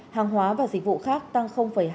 hàng hóa và dịch vụ khác tăng hai mươi năm